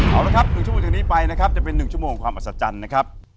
เอาละครับ๑ชั่วโมงจากนี้ไปนะครับจะเป็น๑ชั่วโมงความอัศจรรย์นะครับ